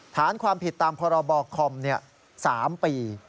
ฐานความผิดตามพรบคอม๓ปี